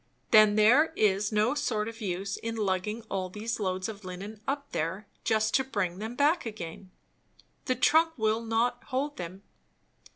"Then there is no sort of use in lugging all these loads of linen up there just to bring them back again. The trunk will not hold them.